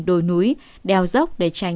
đồi núi đèo dốc để tránh